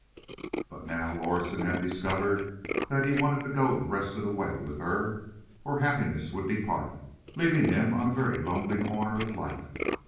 But now Lorison had discovered that he wanted to go the rest of the way with her, or happiness would depart, leaving, him on a very lonely corner of life.